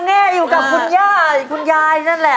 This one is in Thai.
เพราะว่าเพราะว่าเพราะ